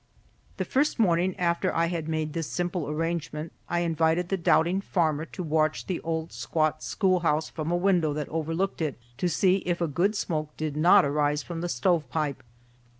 The first morning after I had made this simple arrangement I invited the doubting farmer to watch the old squat schoolhouse from a window that overlooked it, to see if a good smoke did not rise from the stovepipe.